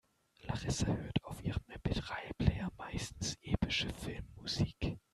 Larissa hört auf ihrem MP-drei-Player meistens epische Filmmusik.